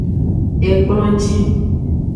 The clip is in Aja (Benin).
Ekplonji.